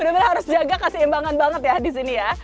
bener bener harus jaga kasih imbangan banget ya di sini ya